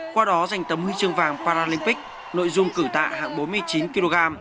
qua đó giành tấm huy chương vàng paralympic nội dung cử tạ hạng bốn mươi chín kg